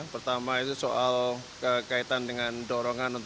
pertama itu soal kaitan dengan dorongan